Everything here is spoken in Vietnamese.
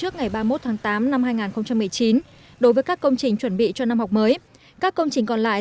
trước ngày ba mươi một tháng tám năm hai nghìn một mươi chín đối với các công trình chuẩn bị cho năm học mới các công trình còn lại